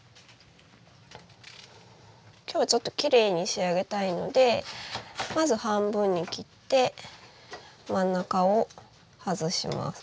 今日はちょっときれいに仕上げたいのでまず半分に切って真ん中を外します。